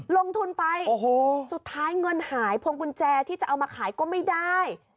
ลงทุนไปสุดท้ายเงินหายพวงกุญแจที่จะเอามาขายก็ไม่ได้